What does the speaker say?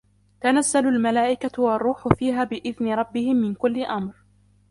تنزل الملائكة والروح فيها بإذن ربهم من كل أمر